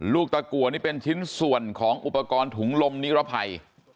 ลูกตะกัวนี่เป็นชิ้นส่วนของอุปกรณ์ถุงลมนิรภัย